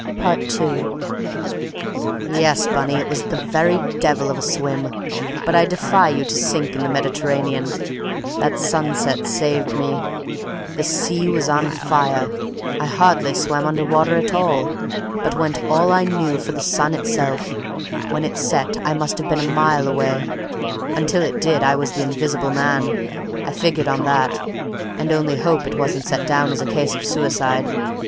II "Yes, Bunny, it was the very devil of a swim; but I defy you to sink in the Mediterranean. That sunset saved me. The sea was on fire. I hardly swam under water at all, but went all I knew for the sun itself; when it set I must have been a mile away; until it did I was the invisible man. I figured on that, and only hope it wasn't set down as a case of suicide.